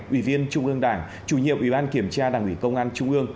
ủy viên trung ương đảng chủ nhiệm ủy ban kiểm tra đảng ủy công an trung ương